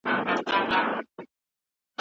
د حقوقو ساتنه د ټولني دنده ده.